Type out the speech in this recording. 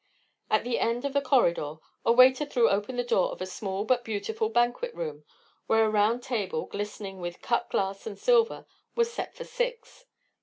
At the end of a corridor a waiter threw open the door of a small but beautiful banquet room, where a round table, glistening with cut glass and silver, was set for six.